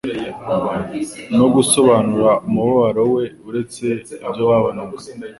no gusobanura umubabaro we uretse ibyo babonaga,